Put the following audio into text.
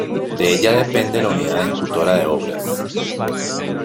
De ella depende la Unidad Ejecutora de Obras.